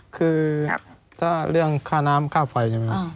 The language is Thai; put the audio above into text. คือถ้าเรื่องค่าน้ำค่าไฟใช่ไหมครับ